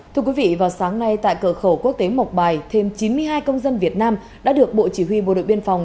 thưa quý vị vào sáng nay tại cửa khẩu quốc tế mộc bài thêm chín mươi hai công dân việt nam đã được bộ chỉ huy bộ đội biên phòng